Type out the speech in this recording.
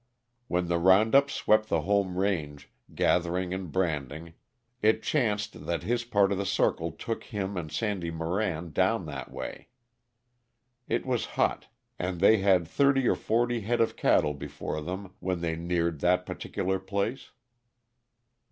When the round up swept the home range, gathering and branding, it chanced that his part of the circle took him and Sandy Moran down that way. It was hot, and they had thirty or forty head of cattle before them when they neared that particular place.